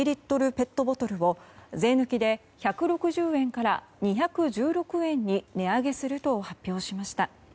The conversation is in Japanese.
ペットボトルを税抜きで１６０円から２１６円に値上げすると発表しました。